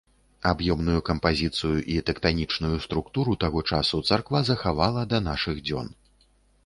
Аб'ёмную кампазіцыю і тэктанічную структуру таго часу царква захавала да нашых дзён.